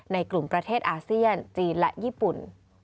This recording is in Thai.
ในกลุ่มประเทศอาเซียนจีนและญี่ปุ่น